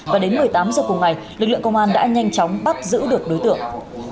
và đến một mươi tám h cùng ngày lực lượng công an đã nhanh chóng bắt giữ được đối tượng